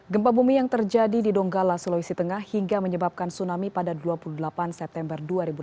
gempa bumi yang terjadi di donggala sulawesi tengah hingga menyebabkan tsunami pada dua puluh delapan september dua ribu delapan belas